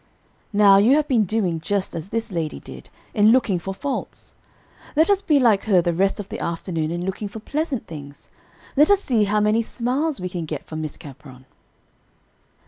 Now you have been doing just as this lady did, in looking for faults. Let us be like her the rest of the afternoon in looking for pleasant things. Let us see how many smiles we can get from Miss Capron."